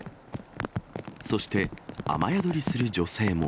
そして、雨宿りする女性も。